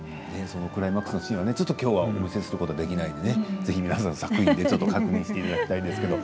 クライマックスのシーンは今日はお見せすることができないので、ぜひ皆さん作品で確認していただきたいんですけれど